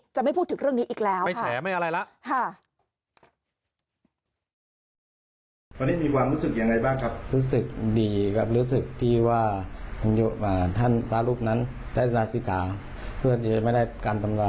ไม่พูดถึงเรื่องนี้อีกแล้วไม่แฉไม่อะไรแล้ว